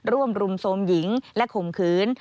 ร่วมรุมโทรมหญิงและขมคืน